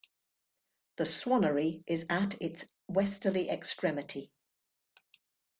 The swannery is at its westerly extremity.